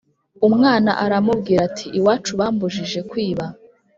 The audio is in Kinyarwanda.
umwana aramubwira ati iwacu bambujije"kwiba"